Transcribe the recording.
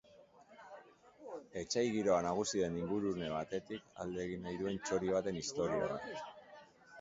Etsai giroa nagusi den ingurune batetik alde egin nahi duen txori baten istorioa.